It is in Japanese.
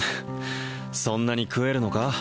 そんなに食えるのか？